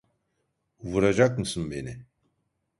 Vuracak mısın beni?